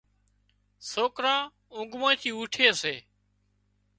سوڪران اونگھ مانئين ٿي اوٺي سي